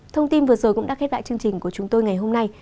thông tin vừa rồi cũng đã khép lại chương trình của chúng tôi ngày hôm nay